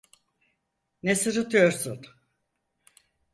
Ne sırıtıyorsun?